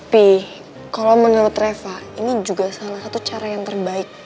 tapi kalau menurut reva ini juga salah satu cara yang terbaik